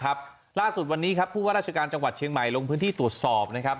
ล่าสุดวันนี้ครับผู้ว่าราชการจังหวัดเชียงใหม่ลงพื้นที่ตรวจสอบนะครับ